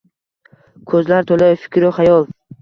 Koʼzlar toʼla fikru xayol